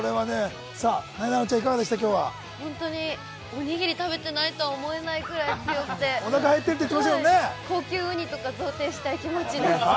おにぎり食べてないと思えないぐらい強くて、高級ウニとか贈呈したい気持ちです。